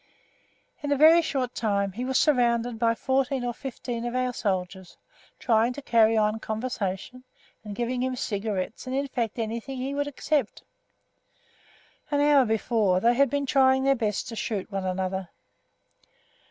In a very short time he was surrounded by fourteen or fifteen of our soldiers, trying to carry on a conversation, and giving him cigarettes and in fact anything he would accept. An hour before they had been trying their best to shoot one another.